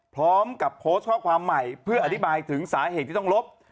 พร้อมกับโพสต์ข้อความใหม่เพื่ออธิบายถึงสาเหตุที่ต้องลบ